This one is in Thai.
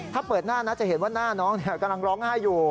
ถ้าเปิดหน้านะจะเห็นว่าหน้าน้องกำลังร้องไห้อยู่